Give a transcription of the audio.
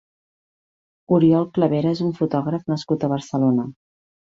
Oriol Clavera és un fotògraf nascut a Barcelona.